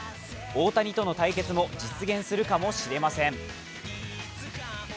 大谷との対決も実現するかもしれません。